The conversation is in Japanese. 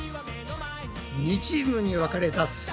２チームに分かれたす